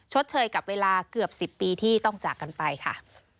เชยกับเวลาเกือบ๑๐ปีที่ต้องจากกันไปค่ะ